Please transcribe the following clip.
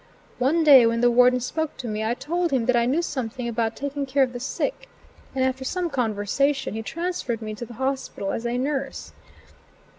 One day when the warden spoke to me, I told him that I knew something about taking care of the sick, and after some conversation, he transferred me to the hospital as a nurse.